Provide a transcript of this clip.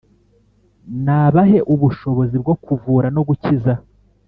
nabahe ubushobozi bwo kuvura no gukiza,